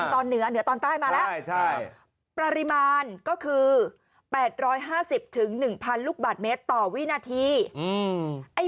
ตอนเหนือเหนือตอนใต้มาแล้วปริมาณก็คือ๘๕๐๑๐๐ลูกบาทเมตรต่อวินาที